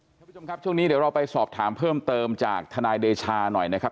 คุณผู้ชมครับช่วงนี้เดี๋ยวเราไปสอบถามเพิ่มเติมจากทนายเดชาหน่อยนะครับ